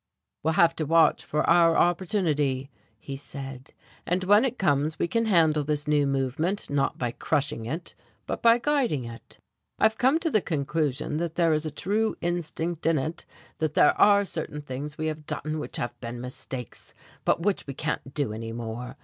"We'll have to watch for our opportunity," he said, "and when it comes we can handle this new movement not by crushing it, but by guiding it. I've come to the conclusion that there is a true instinct in it, that there are certain things we have done which have been mistakes, and which we can't do any more.